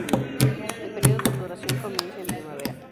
El periodo de floración comienza en primavera.